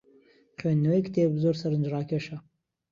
خوێندنەوەی کتێب زۆر سەرنجڕاکێشە.